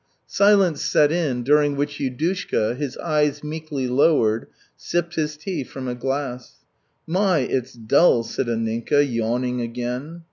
Silence set in, during which Yudushka, his eyes meekly lowered, sipped his tea from a glass. "My, it's dull!" said Anninka, yawning again.